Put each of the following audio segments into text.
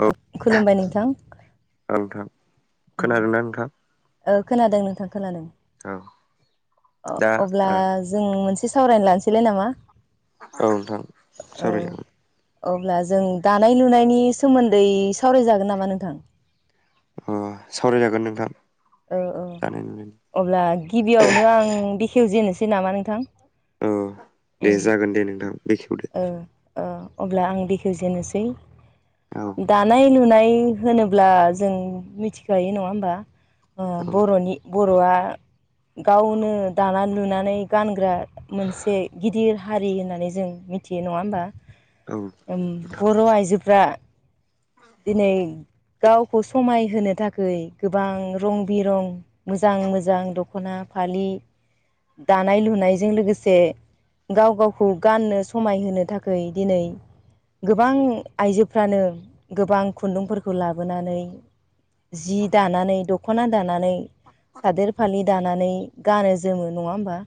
औ खुलुमबाय नोंथां। औ नोंथां उम खोनादोंना नोंथां? खोनादों नोंथां औ खोनादों दा अब्ला औ जों मोनसे सावरायना लानोसैलाय नामा? औ नोंथां औ सावराय जागोन। अब्ला जों दानाय लुनायनि सोमोन्दै सावरायजागोन नामा नोंथां? ओम सावरायजागोन नोंथां औ औ दानाय लुनायनि अब्ला गिबियावनो आं बेखेवजेनोसै नामा नोंथां औ दे उम जागोन दे नोंथां बेखेवदो अब्ला आं दखेवजेनोसै औ दानाय लुनाय होनोब्ला जों मिथिखायो नङा होमबा औ बर'नि बर'आ गावनो दानानै लुनानै गानग्रा मोनसे गिदिर हारि होननानै जों मि मिथियो नङा होमबा औ बर' आइजोफ्रा दिनै गावखौ समायहोनो थाखै गोबां रं बिरं मोजां मोजां दख'ना फालि दानाय लुनायजों लोगोसे गाव गावखौ गाननो समायहोनो थाखाय दिनै गोबां आइजोफ्रानो गोबां खुन्दुंफोरखौ लाबोनानै जि दानानै दख'ना दानानै सादोर फालि दानानै गानो जोमो नङा होमबा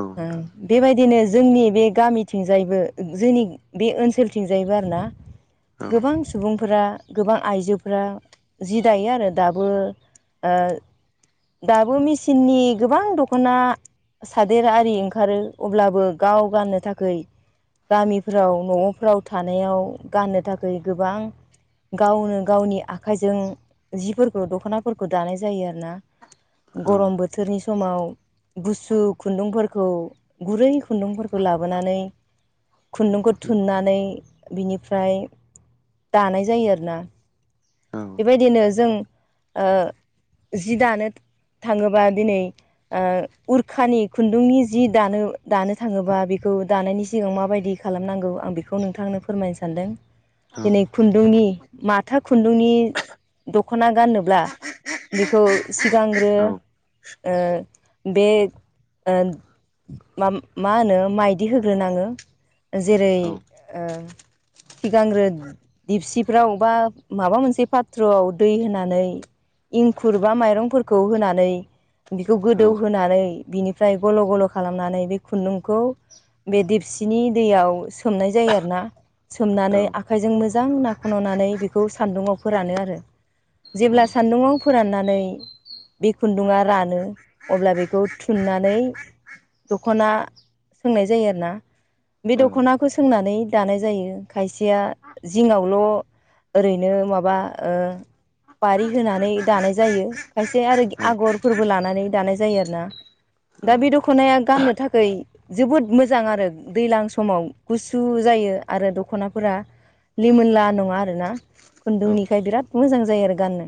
नोंथां बेबायदिनो जोंनि बे गामिथिंजायबो जोंनि बे ओनसोलथिंजायबो आरो ना औ गोबां फोर गोबां आइजोफोरा जि दायो आरो दाबो ओ दाबो मेसिननि गोबां दख'ना सादेर आरि ओंखारो अब्लाबो गाव गाननो थाखै गामिफ्राव न'फ्राव थानायाव गाननो थाखै गोबां गावनो गावनि आखाइजों जिफोरखौ दख'नाफोरखौ दानाय जायो आरो ना। औ गरम बोथोरनि समाव गुसु खुन्दुंफोरखौ गुरै खुन्दुंफोरखौ लाबोनानै खुन्दुंखौ थुननानै बिनिफ्राय दानाय जायो आरोना। औ बेबायदिनो जों जि दानो थाङोबा दिनै उरखानि खुन्दुंनि जि दानो दानो थाङोबा बेखौ दानायनि सिगां माबायदि खालामनांगौ आं बेखौ नोंथांनो फोरमायनो सानदों औ दिनै खुन्दुंनि माथा खुन्दुंनि दख'ना गानोब्ला बेखौ सिगांग्रो ओ बे ओ मा होनो माइदि होग्रोनाङो जेरै ओ सिगांग्रो दिपसिफ्राव बा माबा मोनसे पाथ्रआव दै होनानै इंखुर बा माइरंफोरखौ होनानै बेखौ गोदौहोनानै बिनिफ्राय गल' गल' खालामनानै बे खुन्दुंखौ बे देपसिनि दैयाव सोमनाय जायो आरोना सोमनानै आखाइजों मोजां नाखौ ननानै बेखौ सान्दुंवाव फोरानो आरो जेब्ला सान्दुङाव फोराननानै बे खुन्दुङा रानो अब्ला बेखौ थुननानै दख'ना सोंनाय जायो आरो ना बे दख'नाखौ सोंनानै दानाय जायो खायसेया जिङावल' ओरैनो माबा बारि होनानै दानाय जायो खायसे आरो आगरफोरबो लानानै दानाय जायो आरो ना दा बे दख'नाया गाननो थाखाय जोबोद मोजां आरो दैज्लां समाव गुसु जायो आरो दख'नाफोरा लिमोनला नङा आरोना खुन्दुंनिखाय बिराद मोजां जायो आरो गाननो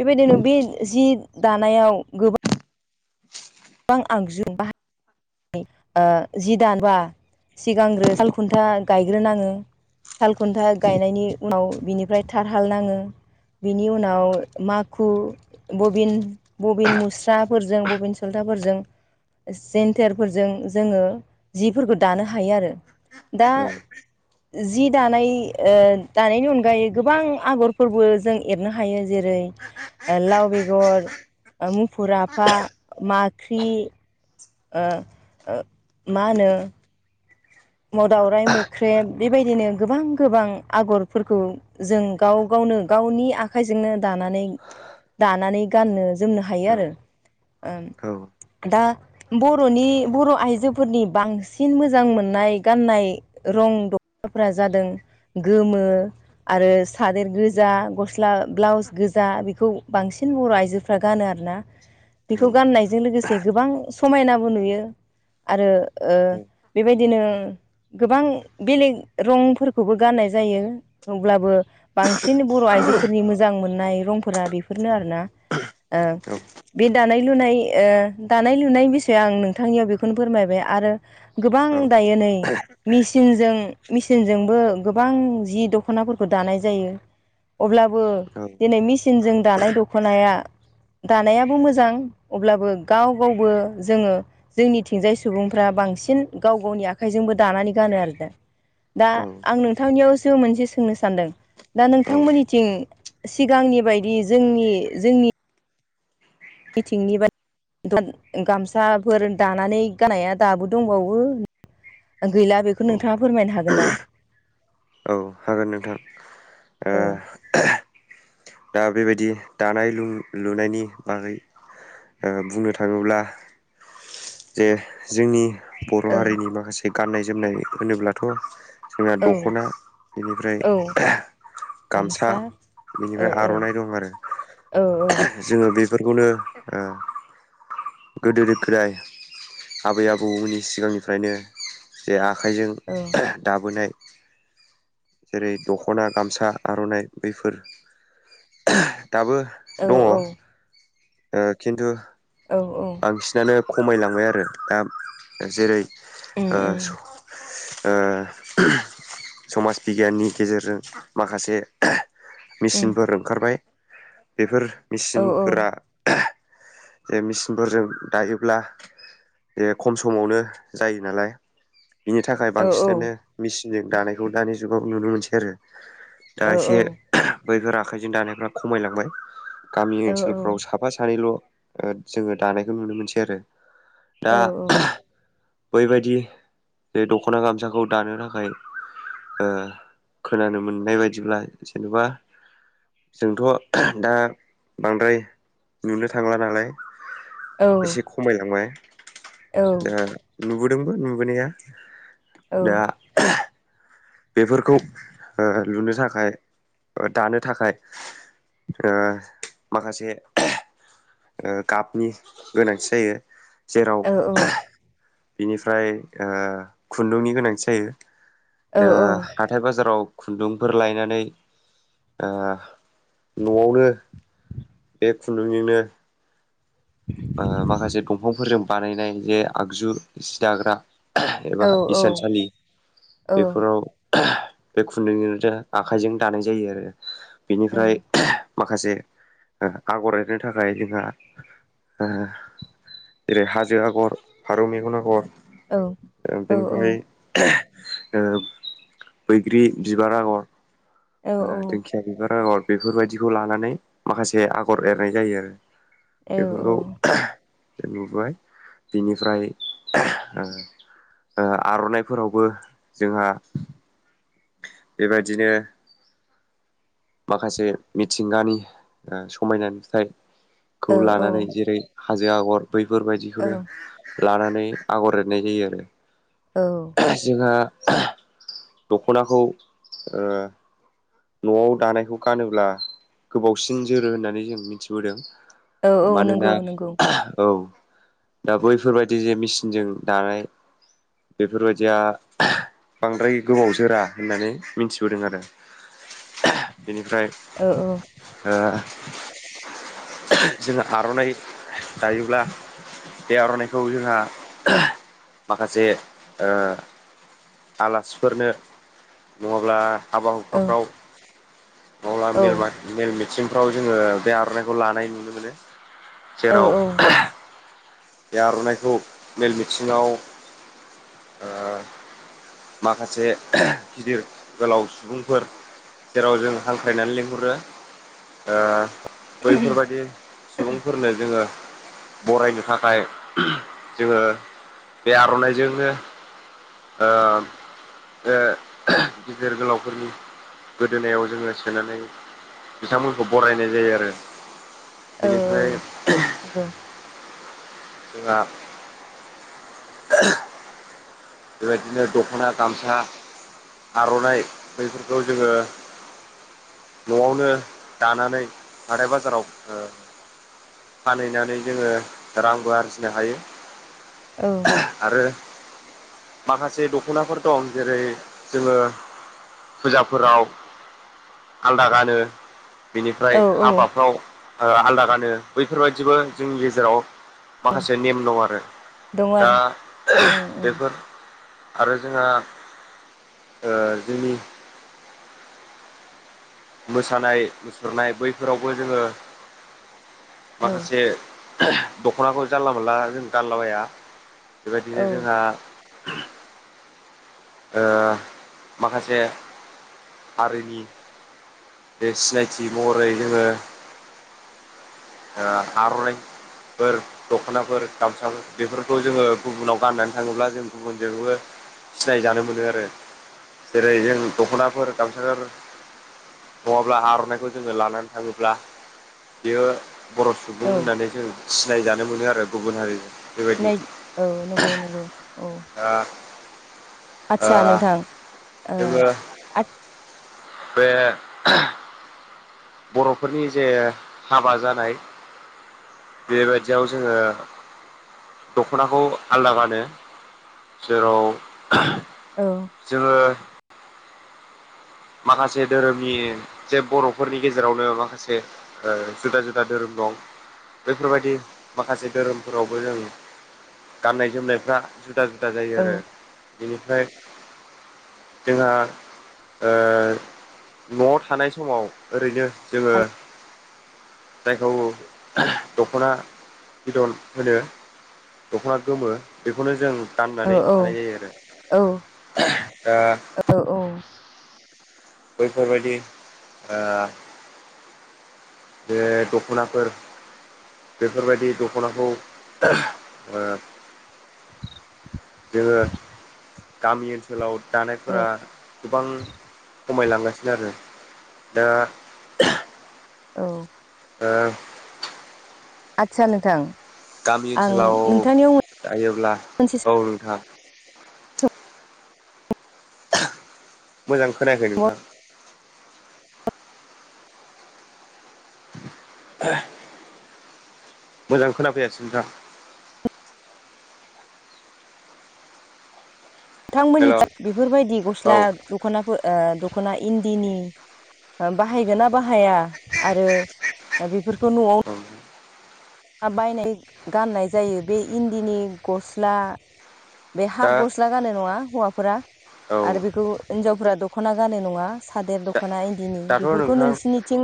बेबायदिनो बे जि दानायाव गोबां गोबां आगजु बा जि दान बा सिगांग्रो सालखुन्था गायग्रोनाङो सालखुन्था गायनायनि उनाव बिनिफ्राय थाथ हाल नाङो बिनि उनाव माखु बबिन बबिन मुस्राफोरजों बबिन सलथाफोरजों जेन जेनथेटेरफोरजों जोङो जिफोरखौ दानो हायो आरो दा जि दानाय दानायनि अनगायै गोबां आगरफोरबो जों एरनो हायो जेरै ओ लाव बेगर मुफुर आफा माख्रि मा होनो दाउराइ मोख्रेब बेबायदिनो गोबां गोबां आगरफोरखौ जों गाव गावनो गावनि आखाइजोंनो दानानै दानानै गाननो जोमनो हायो आरो दा बर'नि बर' आइजोफोरनि बांसिन मोजां मोननाय गाननाय रं दख'नाफ्रा जादों गोमो आरो सादेर गोजा गस्ला ब्लाउस गोजा बेखौ बांसिन बर' आइजो फ्रा गानो आरोना बेखौ गाननायजों लोगोसे गोबां समायनाबो नुयो आरो ओ बेबायदिनो गोबां बेलेग रंफोरखौबो गाननाय जायो अब्लाबो बांसिन बर' आइजोफोरनि मोजां मोननाय रंफोरा बेफोरनो आरोना ओ बे दानाय लुनाय दानाय लुनाय बिसय आं नोंथांनियाव बेखौनो फोरमायबाय आरो गोबां दायो नै मिसिनजों मिसिनजोंबो गोबां जि दख'नाफोरखौ दानाय जायो अब्लाबो दिनै मेसिनजों दानाय दख'नाया दानायाबो मोजां अब्लाबो गाव गावबो जोङो जोंनिथिंजाय सुबुंफ्रा बांसिन गाव गावनि आखाइजोंबो दानानै गानो आरो दा दा आं नोंथांनियावसो मोनसे सोंनो सानदों दा नोंथांमोननिथिं सिगांनि बायदि जोंनि जोंनि मिथिंनि बा गामसाफोर दानानै गाननाया दाबो दंबावो गैला बेखौ नोंथाङा फोरमायनो हागोन ना औ हागोन नोंथां ओ दा बेबायदि दानाय लु लुनायनि बागै बुंनो थाङोब्ला जे जोंनि बर' ओं हारिनि माखासे गाननाय जोमनाय होनोब्लाथ' जोंना औ दख'ना बेनिफ्राय औ गामसा औ बेनिफ्राय औ आर'नाइ दं आरो औ जोङो बेफोरखौनो गोदोनिफ्राय आबै आबौमोननि सिगांनिफ्रायनो जे आखाइजों औ दाबोनाय जेरै दख'ना गामसा आर'नाइ बैफोर दाबो औ दङ ओ खिन्थु औ औ बांसिनानो खमायलांबाय आरो दा जेरै उम ओ उम ओ समाज बिगियाननि गेजेरजों माखासे उम मेचिनफोर ओंखारबाय बेफोर औ औ मेसिनफोरा से मे सिनफोरजों दायोब्ला बे खम समावनो जायो नालाय बिनि थाखाय औ उम औ बांसिनानो मेसिनजों दानायखौ दानि जुगाव नुनो मोनसै आरो दा एसे बैफोर आखाइजों दानायफ्रा खमायलांबाय गामि ओनसोलफ्राव साफा सानैल' जोङो दानायखौ नुनो मोनसै आरो दा बैबायदि जे दख'ना गामसाखौ दानो थाखाय खोनानो मोननाय बायदिब्ला जेनेबा जोंथ' दा बांद्राय नुनो थांला नालाय एसे खमायलांबाय जोंहा नुबोदोंबो नुबोनाया औ दा बेफोरखौ लुनो थाखाय दानो थाखाय ओ माखासे गाबनि गोनांथि जायो जेराव औ बिनिफ्राय आ खुन्दुंनि गोनांथि जायो ओ हाथाइ बाजाराव खुन्दुंफोर लायनानै आ न'आवनो बे खुन्दुंजोंनो माखासे दंफांफोरजों बानायनाय जे आगजु सि दाग्रा एबा हिसानसालि बेफोराव बे खुन्दुंजों आखाइजों दानाय जायो आरो बेनिफ्राय माखासे आगर एरनो थाखाय जोंहा जेरै हाजो आगर फारौ मेगन आगर बेनिफ्राय बैग्रि बिबार आगर दिंखिया बिबार आगर बेफोरबायदिखौ लानानै माखासे आगर एरनाय जायो आरो बेफोरखौ जों नुबाय बिनिफ्राय आ आर'नाइफोरावबो जोंहा बेबायदिनो माखासे मिथिंगानि समायना नुथायखौ लानानै जेरै हाजो आगर औ बैफोरबायदिखौनो लानानै आगर एरनाय जायो आरो औ जोंहा दख'नाखौ ओ न'आव दानायखौ गानोब्ला गोबावसिन जोरो होननानै जों मिथिबोदों औ नंगौ मानोना नंगौ औ दा बैफोरबायदि जे मेसिनजों दानाय बेफोरबायदिया बांद्राय गोबाव जोरा होननानै मिथिबोदों आरो बेनिफ्राय ओ-औ ओ जों आर'नाइ दायोब्ला बे आर'नाइखौ जोंहा माखासे ओ आलासिफोरनो नङाब्ला हाबा हु औ खाफ्राव मावला औ [unintelligible] मेल मिथिंफ्राव जोङो बे आर'नाइखौ लानाय नुनो मोनो औ जेराव नंगौ बे आर'नाइखौ मेल मिथिङाव आ माखासे गिदिर गोलाव सुबुंफोर जेराव जों हांख्रायनानै लिंहरो आ बैफोरबायदि सुबुंफोरनो जोङो बरायनो थाखाय ओमफ्राय जोङो बे आर'नाइजोंनो ओ गिदिर गोलावफोरनि गोदोनायाव जोङो सोनानै बिथांमोनखौ बरायनाय जायो आरो बेनिफ्राय दा बेबायदिनो दख'ना गामसा आर'नाइ बैफोरखौ जोङो न'आवनो दानानै हाराय बाजाराव फानहैनानै जोङो रांबो आरजिनो हायो औ आरो माखासे दख'नाफोर दं जेरै जोङो फुजाफोराव आलदा गानो बेनिफ्राय औ औ हाबाफ्राव आलादा गानो बैफोरबायदिबो जोंनि गेजेराव माखासे नेम दं आरो दङ दा आरो ओं बेफोर आरो जोंहा ओ जोंनि मोसानाय मुसुरनाय बैफोरावबो जोङो माखासे दख'नाखौ जानला मानला जों गानला बाया ओं औ बेबायदिनो जोंहा [inaudible] ओ माखासे हारिनि बे सिनायथि महरै जोङो आर'नाइ [unintelligible] दख'नाफोर गामसाफोर बेफोरखौ जोङो गुबुनाव गाननानै थाङोब्ला जों गुबुनजोंबो सिनाय जानो मोनो आरो जेरै जों दख'नाफोर गामसाफोर नङाब्ला आर'नाइखौ जोङो लानानै थाङोब्ला बियो बर' सुबुं औ होननानै जों सिनायजानो मोनो आरो गुबुन हारिजों बेबायदि नाय औ नंगौ नंगौ औ आदसा नोंथां ओ जेबो आथ बे बर'फोरनि जे हाबा जानाय बेबायदियाव जोङो दख'नाखौ आलदा गानो जेराव औ जोङो माखासे धोरोमनि जे बर'फोरनि गेजेरावनो माखासे ओ जुदा जुदा धोरोम दं बेफोरबायदि माखासे धोरोमफोरावबो जों गाननाय जोमनायफ्रा जुदि जुदा जुदा जायो औ आरो बेनिफ्राय जोंहा ओ न'आव थानाय समाव ओरैनो जोङो औ जायखौ दख'ना बिदन होनो दख'ना गोमो बेखौनो जों औ गाननानै थानाय जायो आरो दा औ औ बैफोरबायदि बे दख'नाफोर बेफोरबायदि दख'नाखौ जोङो गामि ओनसोलाव दानायफोरा औ गोबां खमायलांगासिनो आरो दा औ ओ आदसा नोंथां गामि आं ओनसोलाव नोंथांनियाव थायोब्ला मोनसे औ नोंथां मोजां खोनायाखै नोंथां नोंथांमोननिथिं मोजां खोनाफैयासै नोंथां हेल' औ नोंथांमोननि बेफोरबायदि औ गस्ला दख'नाफोर दख'ना इन्दिनि बाहायगोन ना बाहाया आरो बेफोरखौ न'आव बायनाय गाननाय जायो बे इन्दिनि गस्ला बे दा हाब गस्ला गानो नङा हौवाफोरा औ आरो बेखौ हिन्जावफोरा दख'ना गानो नङा सादोर दख'ना इन्दिनि दाथ' बेफोरखौ नोंथां नोंसिनिथिं